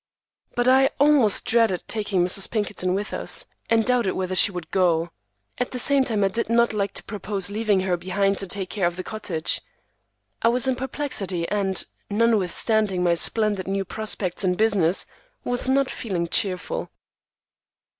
But I almost dreaded taking Mrs. Pinkerton with us, and doubted whether she would go; at the same time, I did not like to propose leaving her behind to take care of the cottage. I was in perplexity, and, notwithstanding my splendid new prospects in business, was not feeling cheerful.